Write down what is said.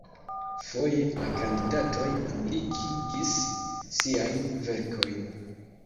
Foje la kandidatoj publikigis siajn verkojn.